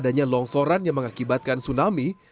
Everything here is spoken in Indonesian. adanya longsoran yang mengakibatkan tsunami